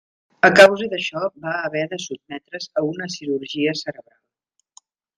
A causa d'això va haver de sotmetre's a una cirurgia cerebral.